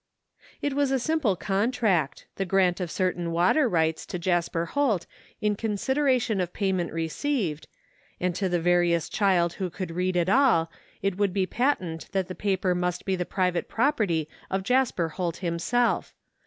It was a simple contract, the grant of certain water rights to Jasper Holt in consideration of payment re ceived, and to the veriest child who could read at all it would be patent that the paper must be the private property of Jasper Holt himself.